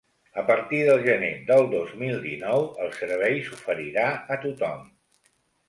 A partir del gener del dos mil dinou, el servei s’oferirà a tothom.